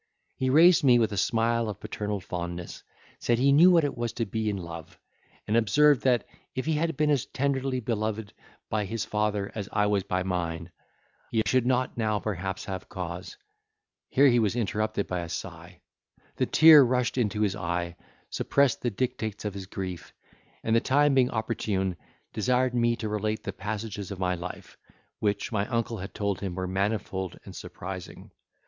He raised me with a smile of paternal fondness; said he knew what it was to be in love; and observed that, if he had been as tenderly beloved by his father as I was by mine, he should not now perhaps have cause—here he was interrupted by a sigh, the tear rushed into his eye, suppressed the dictates of his grief, and the time being opportune, desired me to relate the passages of my life, which my uncle had told him were manifold and surprising.